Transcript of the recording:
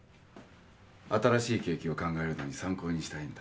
新しいケーキを考えるのに参考にしたいんだ。